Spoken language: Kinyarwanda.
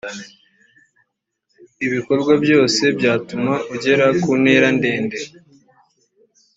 ibikorwa byose byatuma ugera kunterandende.